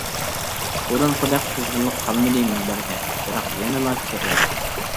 بۇرۇنقىدەك قىزغىنلىق قالمىدى مۇنبەرگە، بىراق يەنىلا كىرىمەن.